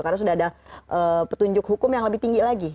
karena sudah ada petunjuk hukum yang lebih tinggi lagi